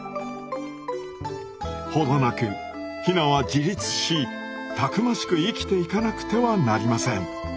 程なくヒナは自立したくましく生きていかなくてはなりません。